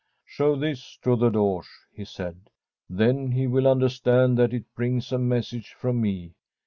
' Show this to the Doge,' he said, * then he will understand that it brings a message from me.